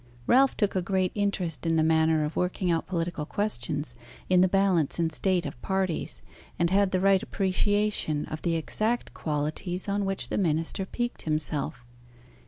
Ralph took a great interest in the manner of working out political questions; in the balance and state of parties; and had the right appreciation of the exact qualities on which the minister piqued himself.